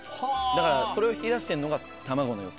だからそれを引き出してんのが卵のよさ。